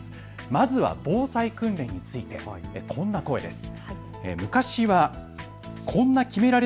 まずは防災訓練についてこんな声です。